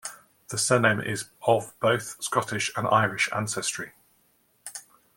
The Surname is of both Scottish and Irish ancestry.